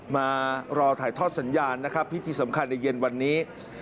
มารอถ่ายทอดสัญญาณนะครับพิธีสำคัญในเย็นวันนี้